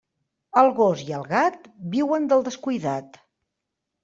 El gos i el gat viuen del descuidat.